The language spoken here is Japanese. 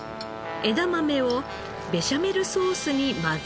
枝豆をベシャメルソースに混ぜ合わせ。